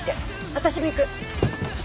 私も行く。